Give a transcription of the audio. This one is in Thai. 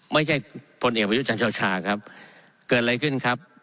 ไม่ใช่พลเอกประยุทธ์จันทรวชาครับเกิดอะไรขึ้นครับ